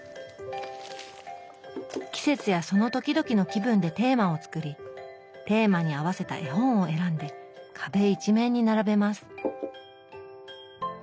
季節やその時々の気分でテーマを作りテーマに合わせた絵本を選んで壁一面に並べます